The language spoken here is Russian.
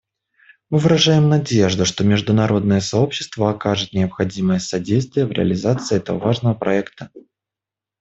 Мы выражаем надежду, что международное сообщество окажет необходимое содействие в реализации этого важного проекта.